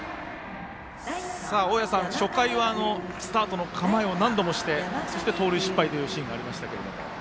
大矢さん初回はスタートの構えを何度もし、そして盗塁失敗というシーンがありましたけれども。